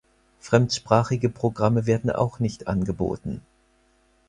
Fremdsprachige Programme werden auch nicht angeboten.